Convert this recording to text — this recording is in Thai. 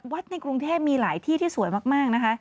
ในกรุงเทพมีหลายที่ที่สวยมากนะคะ